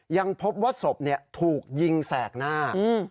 ยังพบว่าศพเนี้ยถูกยิงแสกหน้าอืม